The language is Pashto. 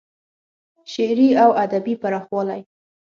شعري او ادبي پراخوالی